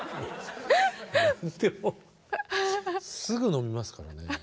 すぐのみますからね。